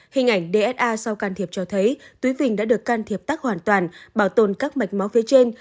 hình ảnh dsa sau can thiệp cho thấy túi vinh đã được can thiệp tắc hoàn toàn bảo tồn các mạch máu phía trên